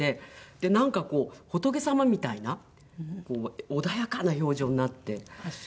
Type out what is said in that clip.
でなんかこう仏様みたいな穏やかな表情になって。